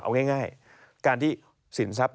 เอาง่ายการที่สินทรัพย